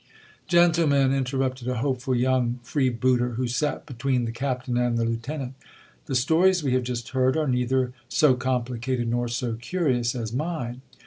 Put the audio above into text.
Gentlemen, — interrupted a hopeful young freebooter who sat between the captain and the lieutenant, — the stories we have just heard are neither so com plicated nor so curious as mine.